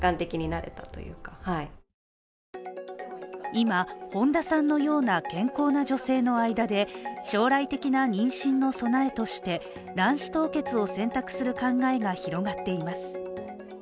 今、本多さんのような健康な女性の間で将来的な妊娠の備えとして卵子凍結を選択する考えが広がっています。